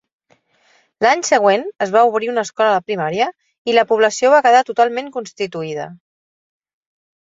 L'any següent es va obrir una escola primària i la població va quedar totalment constituïda.